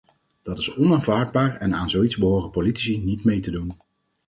Dat is onaanvaardbaar en aan zoiets behoren politici niet mee te doen.